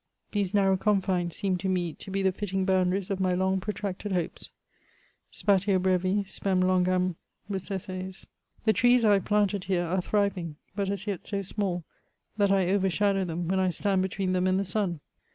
These narrow confines seem to me to be the fitting boimdaries of my long protracted hopes ;— spaiio brevi spem fongam reseces. The trees I have planted here are thriving ; but as yet so small, that I overshadow them when I stand between them and the sun.